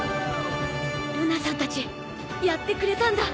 ルナさんたちやってくれたんだ。